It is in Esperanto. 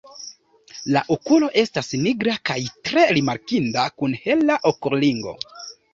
La okulo estas nigra kaj tre rimarkinda kun hela okulringo.